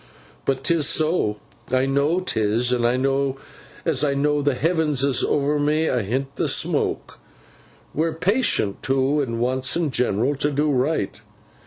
But 'tis so. I know 'tis, as I know the heavens is over me ahint the smoke. We're patient too, an' wants in general to do right.